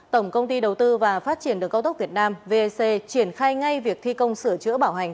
tổng công ty đầu tư và phát triển đường cao tốc việt nam vec triển khai ngay việc thi công sửa chữa bảo hành